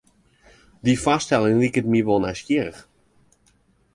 Dy foarstelling liket my wol nijsgjirrich.